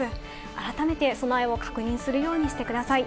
改めて備えを確認するようにしてください。